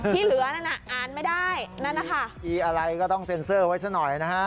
ที่เหลืออ่านไม่ได้ที่อะไรก็ต้องเซ็นเซอร์ไว้ซะหน่อยนะฮะ